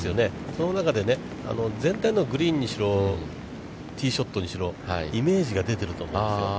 その中で全体のグリーンにしろ、ティーショットにしろ、イメージが出てると思うんですよ。